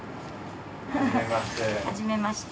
・はじめまして。